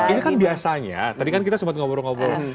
ini kan biasanya tadi kan kita sempat ngobrol ngobrol